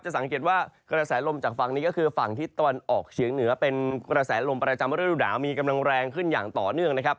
สังเกตว่ากระแสลมจากฝั่งนี้ก็คือฝั่งทิศตะวันออกเฉียงเหนือเป็นกระแสลมประจำฤดูหนาวมีกำลังแรงขึ้นอย่างต่อเนื่องนะครับ